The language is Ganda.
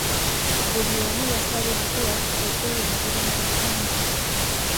Buli omu yasabiddwa okweyanjula mu bufunze .